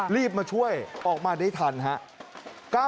รีบมาช่วยออกมาได้ทันครับ